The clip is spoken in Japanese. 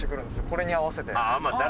これに合わせて。